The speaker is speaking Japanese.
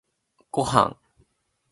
ごはん